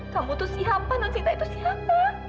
kamu tuh siapa nasita itu siapa